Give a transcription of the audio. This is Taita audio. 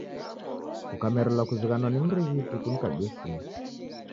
Kukamerelwa kuzighanwa ni mrighiti, kunikabie simu